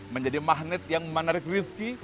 menjadi magnet yang menarik rizki